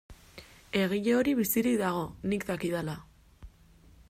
Egile hori bizirik dago, nik dakidala.